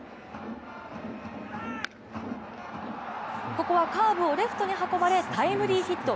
ここはカーブをレフトに運ばれタイムリーヒット。